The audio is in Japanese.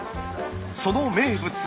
その名物は。